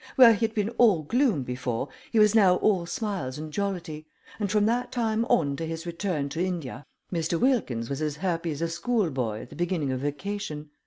Where he had been all gloom before, he was now all smiles and jollity, and from that time on to his return to India Mr. Wilkins was as happy as a school boy at the beginning of vacation.